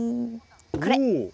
これ。